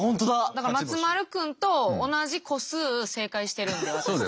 だから松丸君と同じ個数正解してるんで私たち。